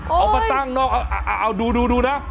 เอามาตั้งนอกเอาดูนะ